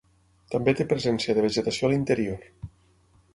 També té presència de vegetació a l'interior.